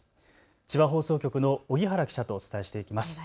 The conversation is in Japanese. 千葉放送局の荻原記者とお伝えしていきます。